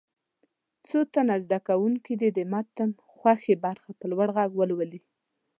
څو تنه زده کوونکي دې د متن خوښې برخه په لوړ غږ ولولي.